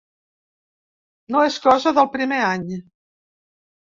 No és cosa del primer any.